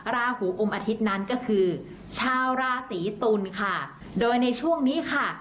ราหูอมอาทิตย์นั้นก็คือชาวราศีตุลค่ะโดยในช่วงนี้ค่ะ